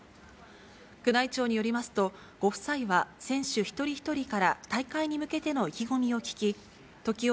宮内庁によりますと、ご夫妻は選手一人一人から大会に向けての意気込みを聞き、時折、